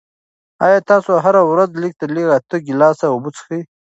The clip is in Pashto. آیا تاسو هره ورځ لږ تر لږه اته ګیلاسه اوبه څښئ؟